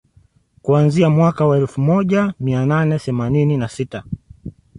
Kuanzia mwaka wa elfu moja mia nane themanini na sita